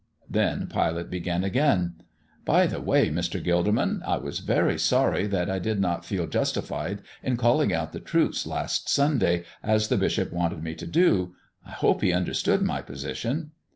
Then Pilate began again: "By the way, Mr. Gilderman, I was very sorry that I did not feel justified in calling out the troops last Sunday, as the bishop wanted me to do. I hope he understood my position."